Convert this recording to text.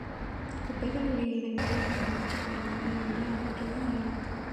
குப்பைகள் உடைய இடங்கள் அகற்றப்படுவன அல்ல அகற்றவும் இயலாது.